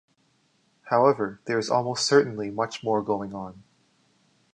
However, there is almost certainly much more going on.